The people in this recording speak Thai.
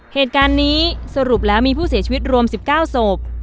เหตุการณ์นี้สรุปแล้วมีผู้เสียชีวิตรวม๑๙ศพ